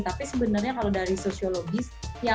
tapi sebenarnya kalau dari sosiologis